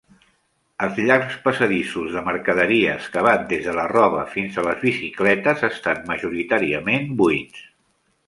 Els llargs passadissos de mercaderies que van des de la roba fins a les bicicletes estan majoritàriament buits.